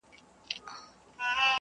چي طوطي ګنجي ته وکتل ګویا سو-